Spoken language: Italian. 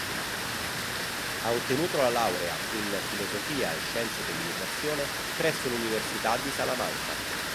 Ha ottenuto la laurea in filosofia e scienze dell'educazione presso l'Università di Salamanca.